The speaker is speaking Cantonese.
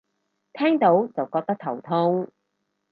聽到就覺得頭痛